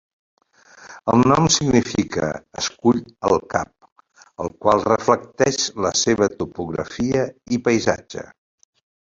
El nom significa "escull al cap", el qual reflecteix la seva topografia i paisatge.